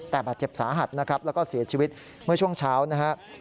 แต่บาดเจ็บสาหัสนะครับแล้วก็เสียชีวิตเมื่อช่วงเช้านะครับ